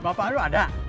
bapak lu ada